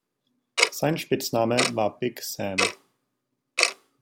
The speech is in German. Sein Spitzname war "Big Sam".